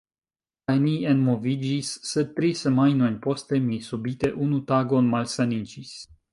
Kaj ni enmoviĝis, sed tri semajnojn poste, mi subite unu tagon malsaniĝis.